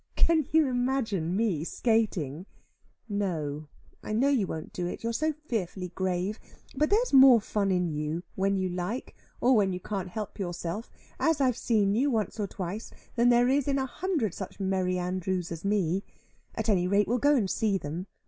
"Can you imagine me skating?" "No. I know you won't do it, you are so fearfully grave. But there's more fun in you, when you like, or when you can't help yourself, as I've seen you once or twice, than there is in a hundred such Merry Andrews as me. At any rate we'll go and see them.